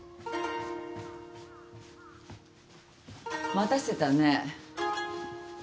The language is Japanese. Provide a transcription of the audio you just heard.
待たせたね。